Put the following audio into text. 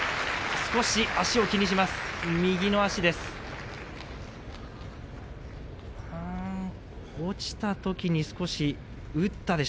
少し足を気にします。